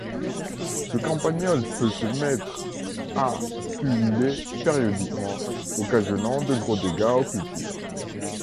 Ce campagnol peut se mettre à pulluler périodiquement, occasionnant de gros dégâts aux cultures.